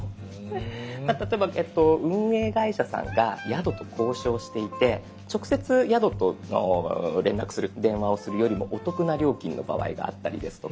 まあ例えば運営会社さんが宿と交渉していて直接宿と連絡する電話をするよりもお得な料金の場合があったりですとか。